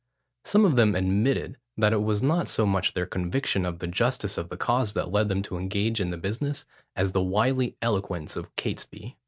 Some of them admitted, that it was not so much their conviction of the justice of the cause that led them to engage in the business, as the wily eloquence of Catesby.